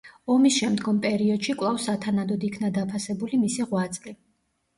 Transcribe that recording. ომის შემდგომ პერიოდში კვლავ სათანადოდ იქნა დაფასებული მისი ღვაწლი.